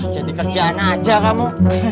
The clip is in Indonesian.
jadi kerjaan aja kamu